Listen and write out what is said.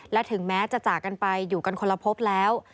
และถึงแม้จะจากกันไปอยู่กันคนละพบแล้ว